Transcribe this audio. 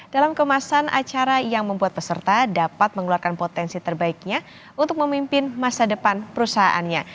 dalam kemasan acara yang membuat peserta dapat mengeluarkan potensi terbaiknya untuk memimpin masa depan perusahaannya